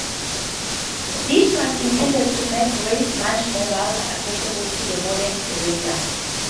This was intended to make Rees much more widely accessible to the modern reader.